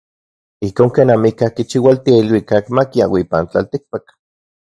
Ijkon ken amikaj kichiualtia iluikak makiaui ipan tlatikpak.